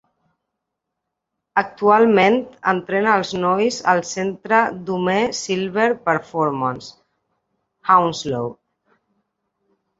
Actualment entrena els nois al centre Dome Silver Performance, Hounslow.